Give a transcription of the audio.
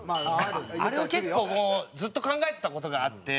あれを結構もうずっと考えてた事があって。